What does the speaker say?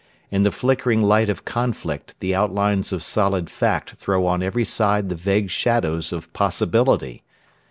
In the flickering light of conflict the outlines of solid fact throw on every side the vague shadows of possibility.